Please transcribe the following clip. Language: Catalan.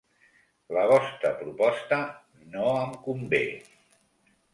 La vostra proposta no em convé.